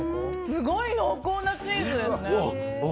すごい濃厚なチーズですね！